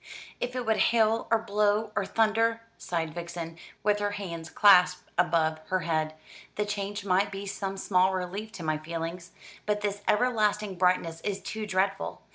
"If it would hail, or blow, or thunder," sighed Vixen, with her hands clasped above her head, "the change might be some small relief to my feelings; but this everlasting brightness is too dreadful.